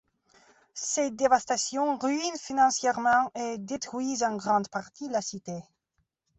Ces dévastations ruinent financièrement et détruisent en grande partie la cité.